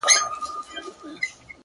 لېونى په خپل کار ښه پوهېږي.